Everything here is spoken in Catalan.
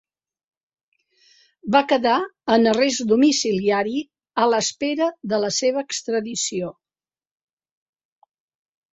Va quedar en arrest domiciliari a l'espera de la seva extradició.